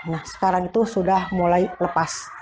nah sekarang itu sudah mulai lepas